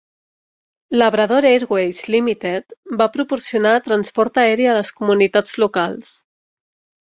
Labrador Airways Limited va proporcionar transport aeri a les comunitats locals.